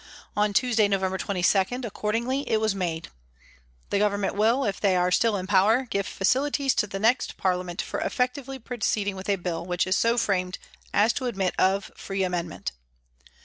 On Tuesday, November 22, accordingly, it was made :" The Government will, if they are still in power, give facilities in the next Parliament for effectively pro ceeding with a Bill which is so framed as to admit of free amendment."